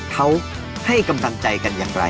เขาให้กำลังใจกันอย่างไร